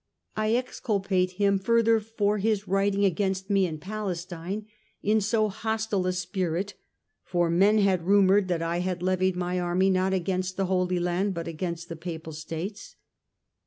I exculpate him further for his writing against me to Palestine in so hostile a spirit, for men had rumoured that I had levied my army not against the Holy Land but against the Papal States.